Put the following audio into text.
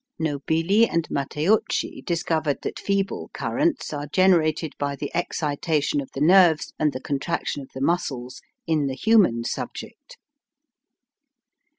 Nobili and Matteucci discovered that feeble currents are generated by the excitation of the nerves and the contraction of the muscles in the human subject.